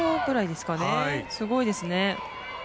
すごいですね。